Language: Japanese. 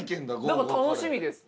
だから楽しみです。